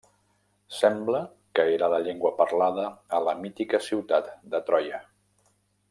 Sembla que era la llengua parlada a la mítica ciutat de Troia.